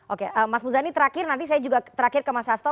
oke mas muzani terakhir nanti saya juga terakhir ke mas hasto